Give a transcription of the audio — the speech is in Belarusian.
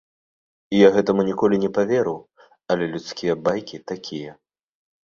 Я гэтаму ніколі не паверу, але людскія байкі такія.